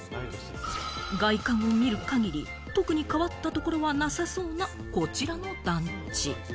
外観を見る限り、特に変わったところはなさそうな、こちらの団地。